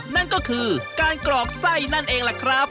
นั่นก็คือการกรอกไส้นั่นเองล่ะครับ